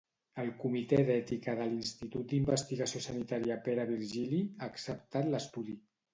El comitè d'Ètica de l'Institut d'Investigació Sanitària Pere Virgili ha acceptat l'estudi.